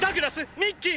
ミッキー！